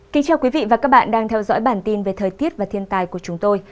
kính chào quý vị và các bạn đang theo dõi bản tin về thời tiết và thiên tài của chúng tôi